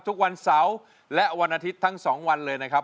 ทุกวันเสาร์และวันอาทิตย์ทั้ง๒วันเลยนะครับ